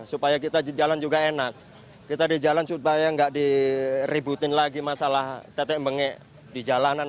supaya kita jalan juga enak kita di jalan supaya nggak diributin lagi masalah tetek bengek di jalanan